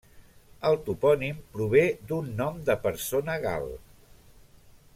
El topònim prové d'un nom de persona gal.